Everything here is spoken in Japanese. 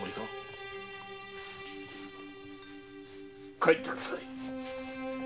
帰ってください！